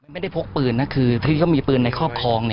พกปืนนะคือที่เขามีปืนในครอบครอง